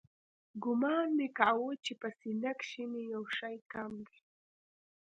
ګومان مې کاوه چې په سينه کښې مې يو شى کم دى.